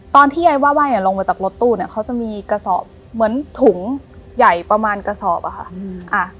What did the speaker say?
ตอนที่ยายว่าไห้เนี่ยลงมาจากรถตู้เนี่ยเขาจะมีกระสอบเหมือนถุงใหญ่ประมาณกระสอบอะค่ะ